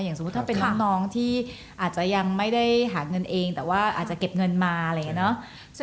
สมมุติถ้าเป็นน้องที่อาจจะยังไม่ได้หาเงินเองแต่ว่าอาจจะเก็บเงินมาอะไรอย่างนี้เนอะ